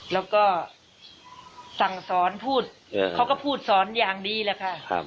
แล้วก็สั่งสอนพูดเขาก็พูดสอนอย่างดีแหละค่ะ